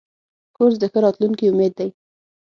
کورس د ښه راتلونکي امید دی.